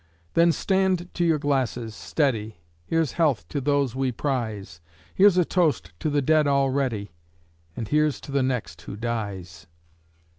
Then stand to your glasses, steady, Here's health to those we prize, Here's a toast to the dead already, And here's to the next who dies.